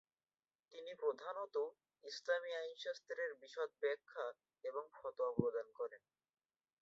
তিনি প্রধানতঃ ইসলামী আইনশাস্ত্রের বিশদ ব্যাখ্যা এবং ফতোয়া প্রদান করেন।